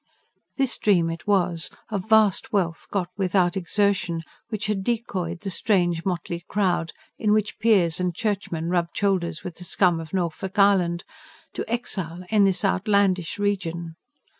This dream it was, of vast wealth got without exertion, which had decoyed the strange, motley crowd, in which peers and churchmen rubbed shoulders with the scum of Norfolk Island, to exile in this outlandish region.